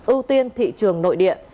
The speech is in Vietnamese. ưu tiên thị trường nội địa